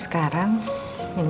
sekarang apa oven ohem